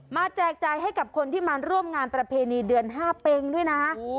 แจกจ่ายให้กับคนที่มาร่วมงานประเพณีเดือน๕เป็งด้วยนะ